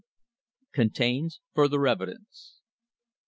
CONTAINS FURTHER EVIDENCE.